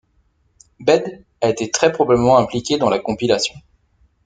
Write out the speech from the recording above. Bède a été très probablement impliqué dans la compilation.